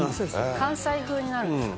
「関西風になるんですか？」